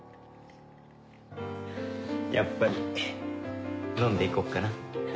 やっぱり飲んで行こっかな。